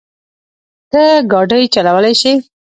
ته ګاډی چلولی شې؟